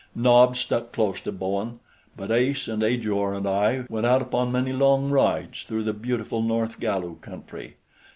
Nobs stuck close to Bowen; but Ace and Ajor and I went out upon many long rides through the beautiful north Galu country.